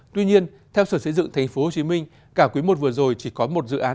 tuy nhiên theo sở xây dựng tp hcm cả quý i vừa rồi chỉ có một dự án